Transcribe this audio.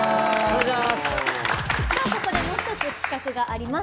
ここでもう一つ企画があります。